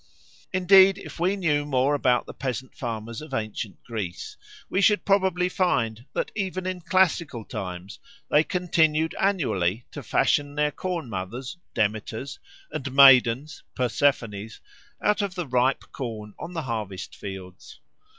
Indeed, if we knew more about the peasant farmers of ancient Greece, we should probably find that even in classical times they continued annually to fashion their Corn mothers (Demeters) and Maidens (Persephones) out of the ripe corn on the harvest fields.